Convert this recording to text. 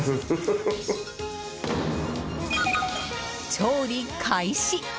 調理開始！